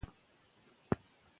ایا استادان محصلان څېړنو ته هڅوي؟